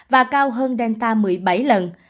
và cao hơn delta một mươi bảy lần